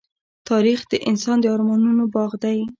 تاریخ د انسان د ارمانونو باغ دی.